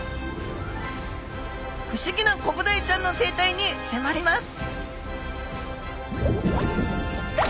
不思議なコブダイちゃんの生態にせまります！